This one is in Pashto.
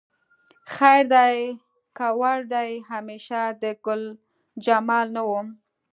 خیر دی که وړ دې همیشه د ګلجمال نه وم